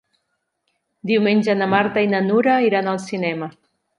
Diumenge na Marta i na Nura iran al cinema.